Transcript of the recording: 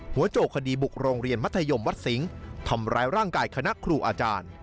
โจกคดีบุกโรงเรียนมัธยมวัดสิงศ์ทำร้ายร่างกายคณะครูอาจารย์